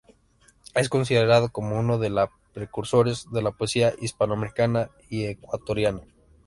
Es considerado como uno de los precursores de la poesía hispanoamericana y ecuatoriana.